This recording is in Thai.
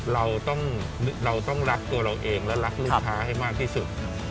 เราต้องรักตัวเราเองและรักลูกค้าให้มากที่สุด